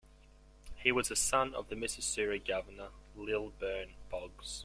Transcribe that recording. He was a son of the Missouri Governor Lilburn Boggs.